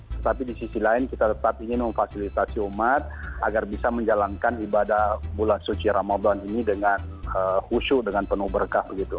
tetapi di sisi lain kita tetap ingin memfasilitasi umat agar bisa menjalankan ibadah bulan suci ramadan ini dengan khusyuk dengan penuh berkah begitu